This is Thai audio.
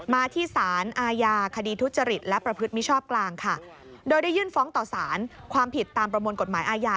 มาที่สารอาญาคดีทุจริตและประพฤติมิชอบกลางค่ะโดยได้ยื่นฟ้องต่อสารความผิดตามประมวลกฎหมายอาญา